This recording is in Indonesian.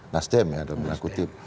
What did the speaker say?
nasdem ya dalam tanda kutip